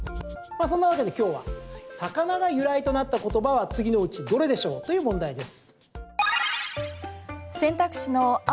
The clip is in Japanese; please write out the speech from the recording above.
そんなわけで、今日は魚が由来となった言葉は次のうちどれでしょうという問題です。